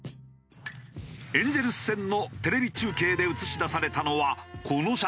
エンゼルス戦のテレビ中継で映し出されたのはこの写真。